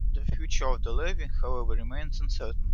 The future of the levee, however, remains uncertain.